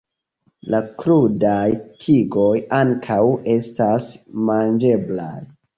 La krudaj tigoj ankaŭ estas manĝeblaj.